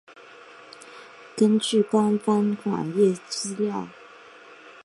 根据官方网页资料。